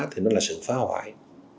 thì nó là sự phá hoại